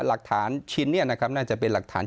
หลักฐานชิ้นนี้นะครับน่าจะเป็นหลักฐาน